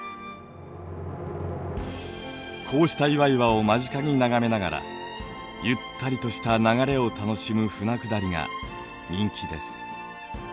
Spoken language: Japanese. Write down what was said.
こうした岩々を間近に眺めながらゆったりとした流れを楽しむ舟下りが人気です。